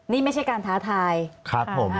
นี่ไม่ใช่การท้าทายครับผม